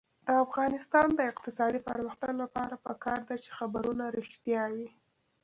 د افغانستان د اقتصادي پرمختګ لپاره پکار ده چې خبرونه رښتیا وي.